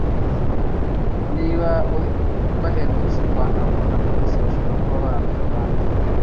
niba baherutse kwandura coronavirus bashobora kuba baranduje abandi